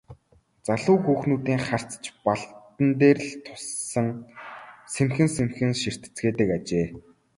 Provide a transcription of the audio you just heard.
Залуу хүүхнүүдийн харц ч Балдан дээр л тусан сэмхэн сэмхэн ширтэцгээдэг ажээ.